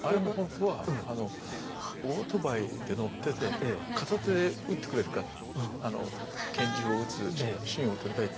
あれも本当はオートバイで乗ってて片手で撃ってくれるか拳銃を撃つシーンを撮りたいって。